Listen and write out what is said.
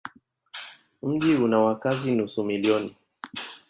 Mji una wakazi nusu milioni.